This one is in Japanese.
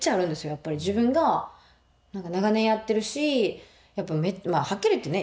やっぱり自分が長年やってるしやっぱはっきり言ってね